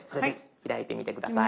開いてみて下さい。